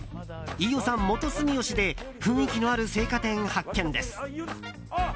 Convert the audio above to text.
飯尾さん、元住吉で雰囲気のある青果店、発見です。